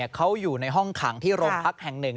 เขาอยู่ในห้องขังที่โรงพักแห่งหนึ่ง